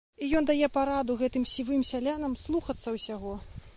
І ён дае параду гэтым сівым сялянам слухацца ўсяго.